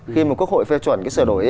khi mà quốc hội phê chuẩn cái sửa đổi